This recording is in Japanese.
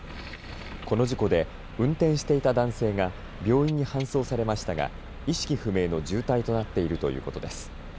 この事故で運転していた男性が病院に搬送されましたが意識不明の重体となっているということです。